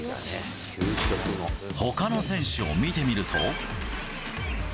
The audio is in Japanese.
ほかの選手を見てみると。